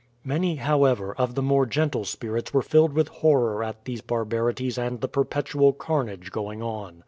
Many, however, of the more gentle spirits were filled with horror at these barbarities and the perpetual carnage going on.